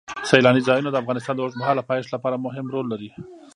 سیلانی ځایونه د افغانستان د اوږدمهاله پایښت لپاره مهم رول لري.